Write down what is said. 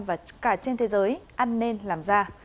và cả trên thế giới ăn nên làm ra